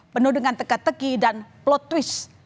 penuh dengan teka teki dan plot twist